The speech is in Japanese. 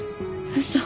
嘘。